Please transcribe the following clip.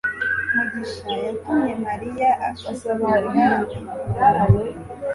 mugisha yatumye Mariya asukura ibiro